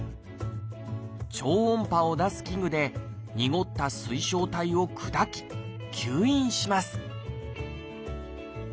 超音波を出す器具でにごった水晶体を砕き吸引します